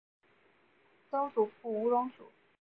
曾祖父吴荣祖。